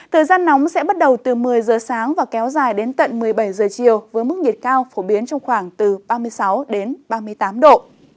thời gian nóng sẽ bắt đầu từ một mươi giờ sáng và kéo dài đến tận một mươi bảy giờ chiều với mức nhiệt cao phổ biến trong khoảng từ ba mươi sáu đến ba mươi tám độ